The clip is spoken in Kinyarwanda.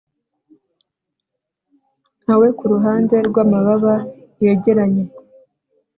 nka we kuruhande rwamababa yegeranye